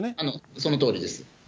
そのとおりです。